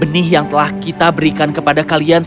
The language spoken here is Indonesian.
benih yang telah kita berikan kepada kalian